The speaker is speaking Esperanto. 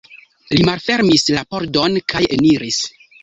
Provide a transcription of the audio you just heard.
Li malfermis la pordon kaj eniris.